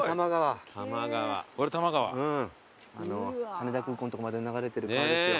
羽田空港のとこまで流れてる川ですよ。